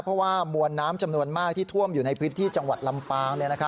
เพราะว่ามวลน้ำจำนวนมากที่ท่วมอยู่ในพื้นที่จังหวัดลำปาง